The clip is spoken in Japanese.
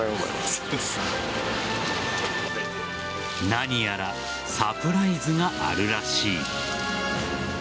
何やらサプライズがあるらしい。